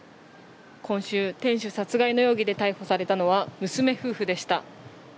今週、店主殺害の容疑で逮捕されたのは娘夫婦でした。